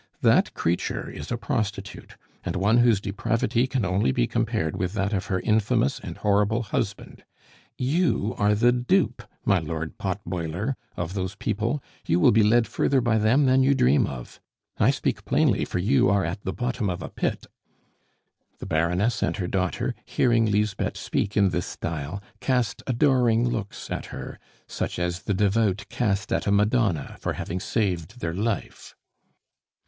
That creature is a prostitute, and one whose depravity can only be compared with that of her infamous and horrible husband. You are the dupe, my lord pot boiler, of those people; you will be led further by them than you dream of! I speak plainly, for you are at the bottom of a pit." The Baroness and her daughter, hearing Lisbeth speak in this style, cast adoring looks at her, such as the devout cast at a Madonna for having saved their life.